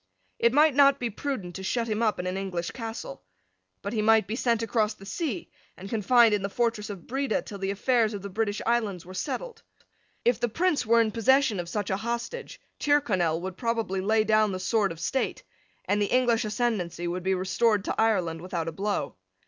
It might not be prudent to shut him up in an English castle. But he might be sent across the sea and confined in the fortress of Breda till the affairs of the British Islands were settled. If the Prince were in possession of such a hostage, Tyrconnel would probably lay down the sword of state; and the English ascendency would be restored to Ireland without a blow.